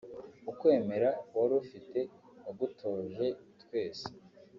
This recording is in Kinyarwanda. ukwemera wari ufite wagutoje twese